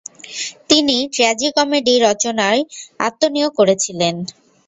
তিনি ট্র্যাজিকমেডি রচনায় আত্মনিয়োগ করেছিলেন।